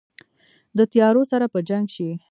د تیارو سره په جنګ شي